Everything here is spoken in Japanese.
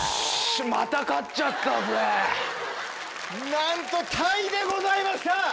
なんとタイでございました。